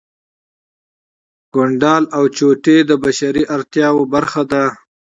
ګنډل او چوټې د بشري اړتیاوو برخه ده